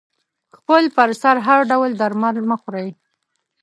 خپل پر سر هر ډول درمل مه خوری